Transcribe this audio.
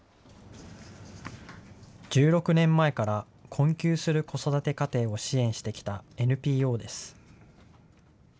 １６年前から困窮する子育て家庭を支援してきたＮＰＯです。